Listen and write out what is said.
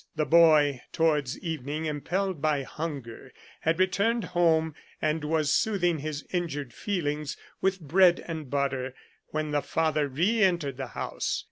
The boy, towards evening, impelled by hunger, had returned home, and was soothing his injured feelings with bread and butter, when the father re entered the house.